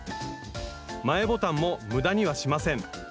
前ボタンも無駄にはしません。